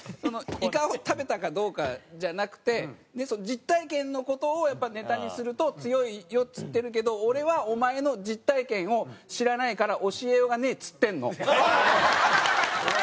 イカを食べたかどうかじゃなくて実体験の事をやっぱネタにすると強いよっつってるけど俺はお前の実体験を知らないから教えようがねえっつってんの。